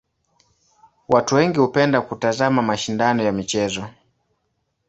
Watu wengi hupenda kutazama mashindano ya michezo.